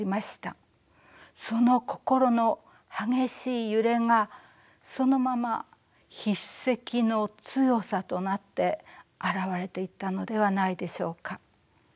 その心の激しい揺れがそのまま筆跡の強さとなって現れていったのではないでしょうか？